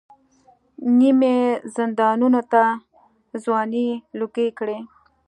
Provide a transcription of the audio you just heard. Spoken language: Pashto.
نیم یې زندانونو ته ځوانۍ لوګۍ کړې.